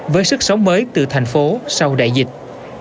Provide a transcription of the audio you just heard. với sức sống mới từ thành phố sau đại dịch